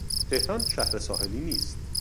تهران شهر ساحلی نیست.